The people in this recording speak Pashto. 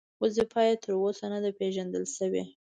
وظیفه یې تر اوسه نه ده پېژندل شوې.